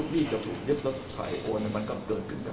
ไปตามสืบทรัพย์เราเองว่า